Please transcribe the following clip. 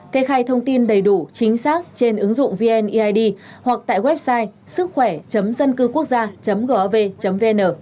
kê khai thông tin đầy đủ chính xác trên ứng dụng vn eid hoặc tại website sứckhoẻ dâncưquốcgia gov vn